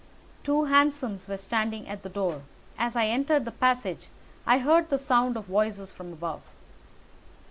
Two hansoms were standing at the door, and as I entered the passage I heard the sound of voices from above.